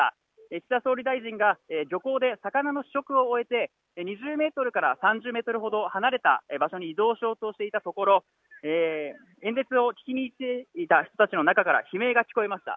岸田総理大臣が漁港で２０メートルから３０メートルほど離れた場所に移動していたところ、演説を聞きに来ていた人たちの中から悲鳴が聞こえました。